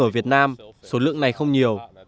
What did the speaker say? nhưng ở việt nam số lượng này không nhiều